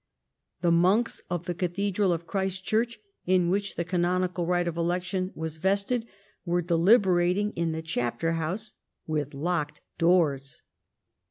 The monks of the cathedral of Christ Church, in whom the canonical right of election was vested, were deliberating in the chapter house with locked doors.